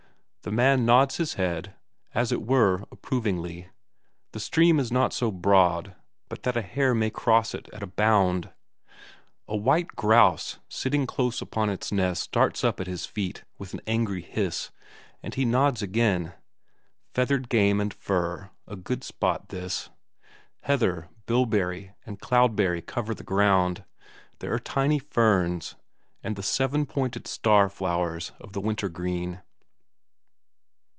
The man nods his head, as it were approvingly the stream is not so broad but that a hare may cross it at a bound. A white grouse sitting close upon its nest starts up at his feet with an angry hiss, and he nods again: feathered game and fur a good spot this. Heather, bilberry, and cloudberry cover the ground; there are tiny ferns, and the seven pointed star flowers of the winter green.